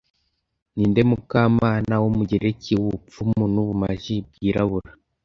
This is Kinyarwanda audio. Ninde Mukamana wumugereki wubupfumu nubumaji bwirabura